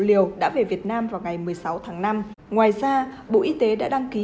liều đã về việt nam vào ngày một mươi sáu tháng năm ngoài ra bộ y tế đã đăng ký